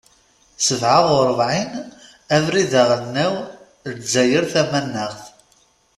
Sebɛa uṛebɛin, Abrid aɣelnaw, Lezzayer tamanaɣt.